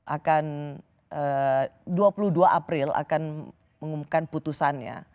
akan dua puluh dua april akan mengumumkan putusannya